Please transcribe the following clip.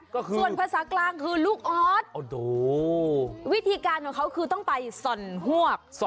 ก็คือส่วนภาษากลางคือลูกออสวิธีการของเขาคือต้องไปส่อนฮวก